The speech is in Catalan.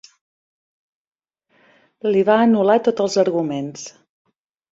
Li va anul·lar tots els arguments.